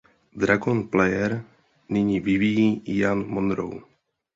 Dragon Player nyní vyvíjí Ian Monroe.